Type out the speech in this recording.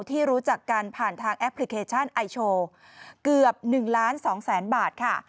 ที่รู้จักกันผ่านทางแอปพลิเคชันไอโชว์เกือบ๑๒๐๐๐๐๐บาท